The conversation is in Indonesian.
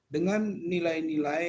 dengan nilai nilai liberalisasi